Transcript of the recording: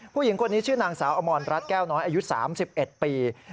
ผู้หญิงคนนี้ชื่อนางสาวอมรรัฐแก้วน้อยอายุ๓๑ปี